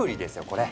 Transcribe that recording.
これ。